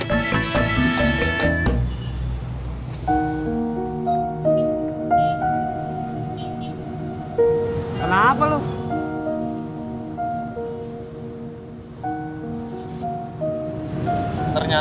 sampai jumpa di video selanjutnya